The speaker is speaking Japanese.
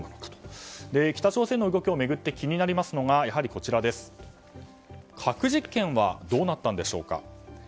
北朝鮮の動きを巡って気になりますのが核実験はどうなったんでしょうか。